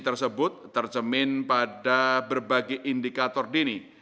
tersebut tercemin pada berbagai indikator dini